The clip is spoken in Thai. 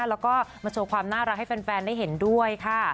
แล้วก็มาโชว์ความน่ารักให้แฟนได้เห็นด้วยค่ะ